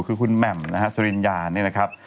คือคุณแหม่มนะฮะสริญญาเนี่ยนะครับ